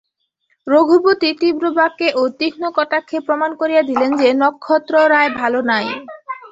রঘুপতি তীব্র বাক্যে ও তীক্ষ্ণ কটাক্ষে প্রমাণ করিয়া দিলেন যে, নক্ষত্ররায় ভালো নাই।